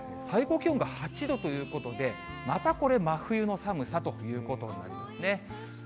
最高気温が８度ということで、またこれ、真冬の寒さということなんですね。